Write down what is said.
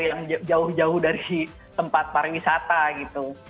yang jauh jauh dari tempat pariwisata gitu